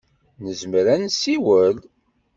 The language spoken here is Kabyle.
Nezmer ad nessiwel?